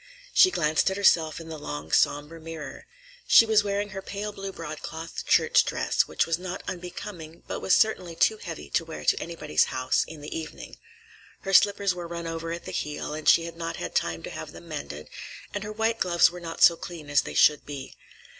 She glanced at herself in the long, somber mirror. She was wearing her pale blue broadcloth church dress, which was not unbecoming but was certainly too heavy to wear to anybody's house in the evening. Her slippers were run over at the heel and she had not had time to have them mended, and her white gloves were not so clean as they should be.